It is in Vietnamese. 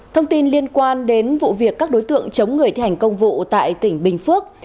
thông tin liên quan đến vụ việc các đối tượng chống người thi hành công vụ tại tỉnh bình phước